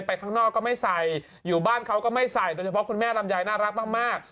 ข้างนอกก็ไม่ใส่อยู่บ้านเขาก็ไม่ใส่โดยเฉพาะคุณแม่ลำไยน่ารักมาก